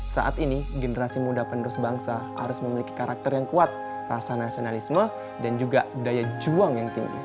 saat ini generasi muda penerus bangsa harus memiliki karakter yang kuat rasa nasionalisme dan juga daya juang yang tinggi